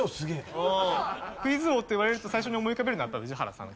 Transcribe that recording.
クイズ王と言われると最初に思い浮かべるのは宇治原さん。